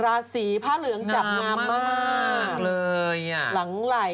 แต่ชื่อเรื่องทำไม